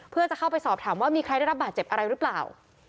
เพื่อจะเข้าไปสอบถามว่ามีใครได้รับบาดเจ็บอะไรหรือเปล่า